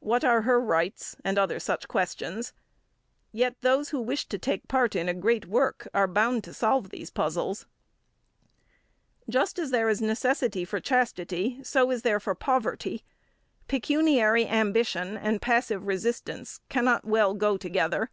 What are her rights, and such other questions? Yet those who wish to take part in a great work are bound to solve these puzzles. Just as there is necessity for chastity, so is there for poverty. Pecuniary ambition and passive resistance cannot well go together.